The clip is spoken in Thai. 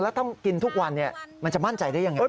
แล้วถ้ากินทุกวันมันจะมั่นใจได้ยังไง